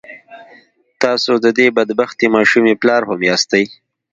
تاسو د دې بد بختې ماشومې پلار هم ياستئ.